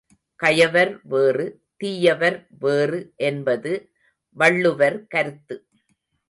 கயவர் வேறு, தீயவர் வேறு என்பது வள்ளுவர் கருத்து.